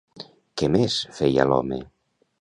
Què més feia l'home?